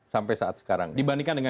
sampai saat sekarang dibandingkan dengan